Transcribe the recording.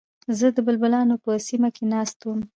زه د بلبلانو په سیمه کې ناست وم.